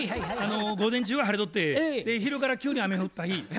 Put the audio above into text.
午前中は晴れとって昼から急に雨が降った日。